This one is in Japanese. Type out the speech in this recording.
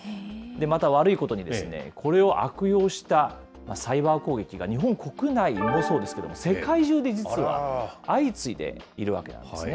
また悪いことに、これを悪用したサイバー攻撃が日本国内もそうですけど、世界中で実は相次いでいるわけなんですね。